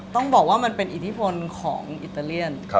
ต้องบอกว่ามันเป็นอิทธิพลของอิตาเลียน